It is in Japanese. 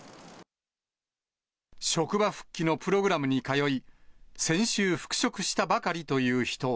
職場復帰のプログラムに通い、先週復職したばかりという人は。